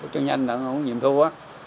cho nhanh là ổng nhiệm thu á